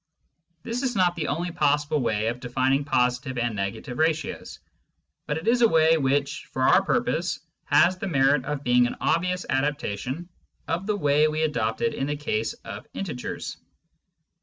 This is not the only possible way of defining positive and negative ratios, but it is a way which, for our purpose, has the merit of being an obvious adaptation of the way we adopted in the case of integers.